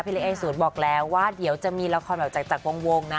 เล็กเอศูนย์บอกแล้วว่าเดี๋ยวจะมีละครแบบจากวงนะ